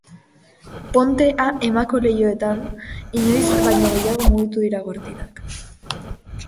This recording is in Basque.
Ponte a Emako leihoetan, inoiz baino gehiago mugitu dira gortinak.